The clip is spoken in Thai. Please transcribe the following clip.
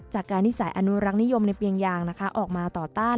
จากการนิสัยอนุรักษ์นิยมในเปียงยางออกมาต่อต้าน